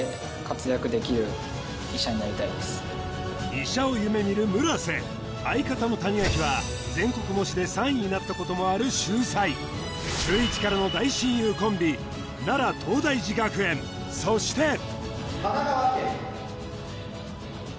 医者を夢見る村瀬相方の谷垣はになったこともある秀才中１からの大親友コンビそして神奈川県。